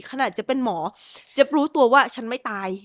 จะเป็นหมอจะรู้ตัวว่าฉันไม่ตาย